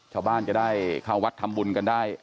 ชาวบ้านจะได้เข้าวัดทำบุญกันได้